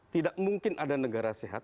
tidak mungkin ada negara sehat